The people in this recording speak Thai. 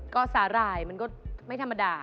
ก็สาหร่ายมันก็ไม่ธรรมดา